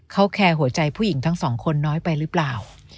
เขาแคร์หัวใจผู้หญิงทั้งสองคนน้อยไปหรือเปล่า